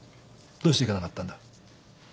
どうして行かなかったんだ？